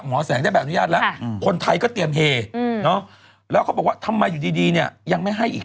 แสงได้แบบอนุญาตแล้วคนไทยก็เตรียมเฮแล้วเขาบอกว่าทำไมอยู่ดีเนี่ยยังไม่ให้อีก